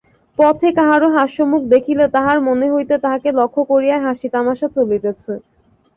পথে কাহারো হাস্যমুখ দেখিলে তাহার মনে হইত তাহাকে লক্ষ্য করিয়াই হাসি তামাসা চলিতেছে।